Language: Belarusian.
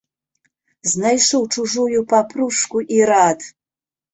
Знайшоў чужую папружку і рад.